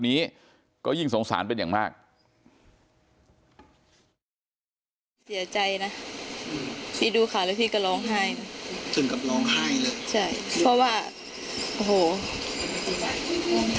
แม่น้องชมพู่แม่น้องชมพู่แม่น้องชมพู่